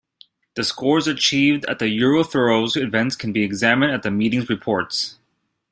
The scores achieved at Euro-throwers events can be examined at the meetings' reports.